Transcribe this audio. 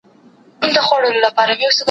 د یوه نیکه اولاد بولي ځانونه